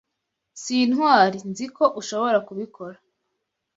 Sitwari nzi ko ushobora kubikora.